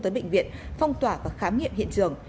tới bệnh viện phong tỏa và khám nghiệm hiện trường